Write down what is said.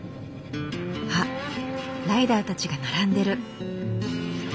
あっライダーたちが並んでる。